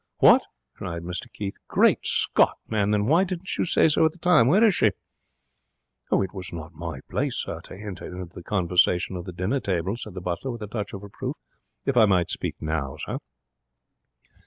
'What!' cried Mr Keith. 'Great Scott, man! then why didn't you say so at the time? Where is she?' 'It was not my place, sir, to henter into the conversation of the dinner table,' said the butler, with a touch of reproof. 'If I might speak now, sir?'